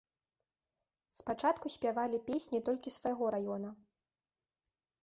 Спачатку спявалі песні толькі свайго раёна.